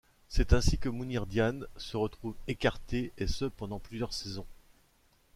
C'est ainsi que Mounir Diane se retrouve écarté, et ce pendant plusieurs saisons.